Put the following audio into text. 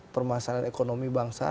permasalahan ekonomi bangsa